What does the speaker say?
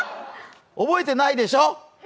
覚えてないでしょう！